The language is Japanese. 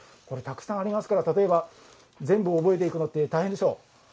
これたくさんありますから例えば全部覚えていくのって大変でしょう？